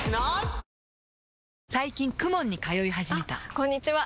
あこんにちは！